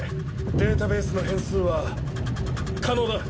データベースの変数は可能だ。